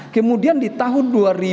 kemudian di tahun dua ribu sembilan belas